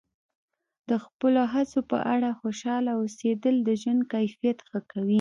د خپلو هڅو په اړه خوشحاله اوسیدل د ژوند کیفیت ښه کوي.